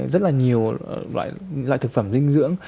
rất là nhiều loại thực phẩm dinh dưỡng